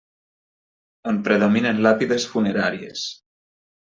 On predominen làpides funeràries.